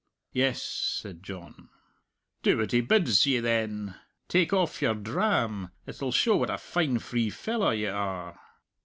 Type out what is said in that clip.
"Yes," said John. "Do what he bids ye, then. Take off your dram! It'll show what a fine free fellow you are!"